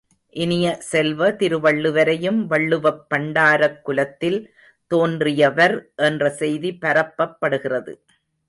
இனிய செல்வ, திருவள்ளுவரையும் வள்ளுவப் பண்டாரக்குலத்தில் தோன்றியவர் என்ற செய்தி பரப்பப்படுகிறது.